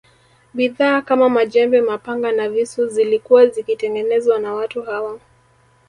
Bidhaa kama majembe mapanga na visu zilikuwa zikitengenezwa na watu hawa